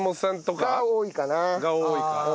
が多いかな。